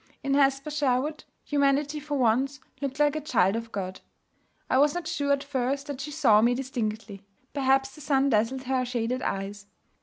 In Hesper Sherwood, humanity for once looked like a child of God. I was not sure at first that she saw me distinctly. Perhaps the sun dazzled her shaded eyes.